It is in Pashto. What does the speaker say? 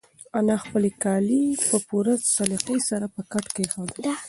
انا خپل کالي په پوره سلیقې سره په کټ کېښودل.